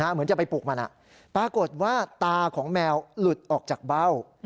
เหมือนจะไปปลูกมันปรากฏว่าตาของแมวหลุดออกจากเบ้า